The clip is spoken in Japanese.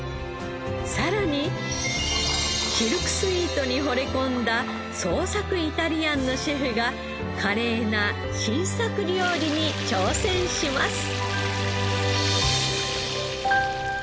さらにシルクスイートにほれ込んだ創作イタリアンのシェフが華麗な新作料理に挑戦します。